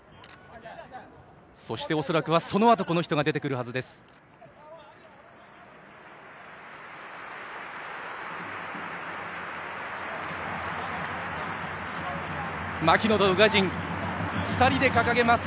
そして、恐らくはそのあと阿部が出てくるはずです。